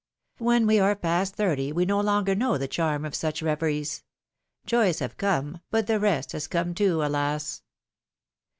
When we are past thirty we no longer know the charm of such reveries : joys have come, but the rest has come too, alas